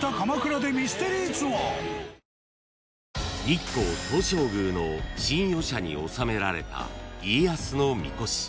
［日光東照宮の神輿舎に納められた家康のみこし］